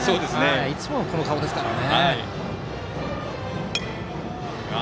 いつもこの顔ですからね。